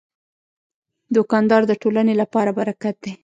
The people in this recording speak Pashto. دوکاندار د ټولنې لپاره برکت دی.